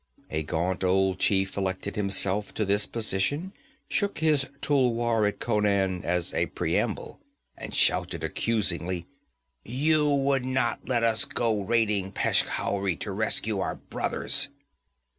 A gaunt old chief elected himself to this position, shook his tulwar at Conan as a preamble, and shouted accusingly: 'You would not let us go raiding Peshkhauri to rescue our brothers!'